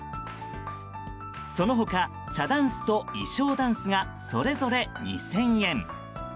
その他、茶だんすと衣装だんすがそれぞれ２０００円。